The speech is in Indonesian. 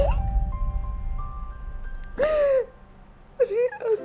iman saya ikuti kemauan mbak